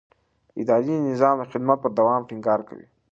اداري نظام د خدمت پر دوام ټینګار کوي.